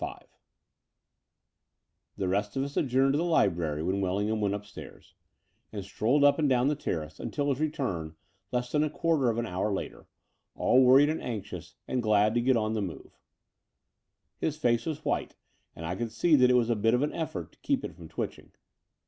VI The rest of us adjourned to the library when Wellingham went upstairs, and strolled up and The Dower House 257 down the terrace untU his return less than a quarter of an hour later, all worried and anxious and glad to get on the move. His face was white, and I could see that it was a bit of an effort to keep it from twitching.